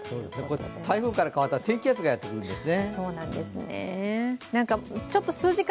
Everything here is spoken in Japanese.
台風から変わった低気圧がやってくるんですね。